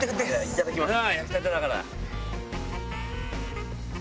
いただきます。